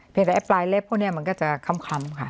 ไอ้ปลายเล็บพวกนี้มันก็จะค้ำค่ะ